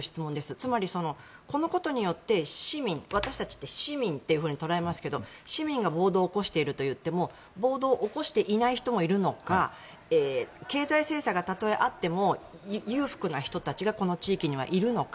つまり、このことで市民私たちは市民と捉えますが市民が暴動を起こしているといっても暴動を起こしていない人もいるのか経済制裁がたとえあっても裕福な人たちがこの地域にいるのか。